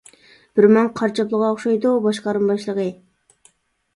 -بىرى ماڭا قارا چاپلىغان ئوخشايدۇ، باشقارما باشلىقى!